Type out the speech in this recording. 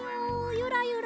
ゆらゆら。